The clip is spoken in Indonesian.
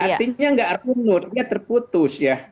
artinya tidak ada mood artinya terputus ya